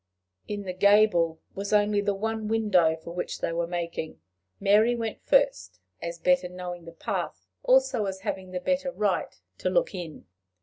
In the gable was only the one window for which they were making. Mary went first, as better knowing the path, also as having the better right to look in.